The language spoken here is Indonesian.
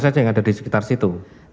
saja yang ada di sekitar situ